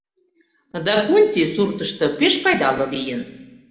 Дакунти суртышто пеш пайдале лийын.